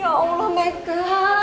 ya allah mecca